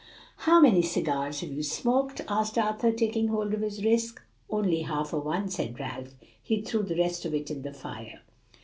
"How many cigars have you smoked?" asked Arthur, taking hold of his wrist. "Only half a one," said Ralph; "he threw the rest of it in the fire."